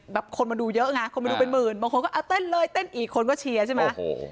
คนมาดูเยอะไงคนมาดูเป็นหมื่นบางคนก็เอาเต้นเลยเต้นอีกคนก็เชียร์ใช่ไหม